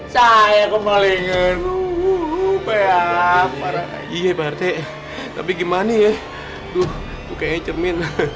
saya kemalingan rupa emang kayak rak para nanya pake tapi gimana ya tuh kayaknya cermin